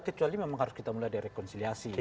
kecuali memang harus kita mulai dari rekonsiliasi